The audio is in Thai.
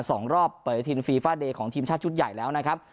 สองรอบเปิดทีมฟีฟาเดย์ของทีมชาติชุดใหญ่แล้วนะครับ